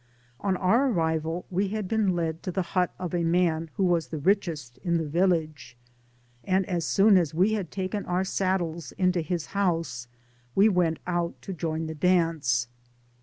On our arrival we had been led to the hut of a man who was the richest in the vil* lage; and as soon as we had taken our saddles into his house, we went out to join the dance.